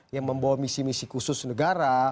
yang membawa misi misi khusus negara